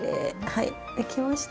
はいできました。